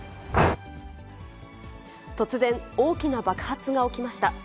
突然、大きな爆発が起きました。